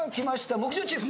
木１０チーム。